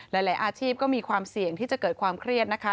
หลายอาชีพก็มีความเสี่ยงที่จะเกิดความเครียดนะคะ